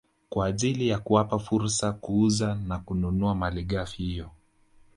Kwa ajili ya kuwapa fursa kuuza na kununua malighafi hiyo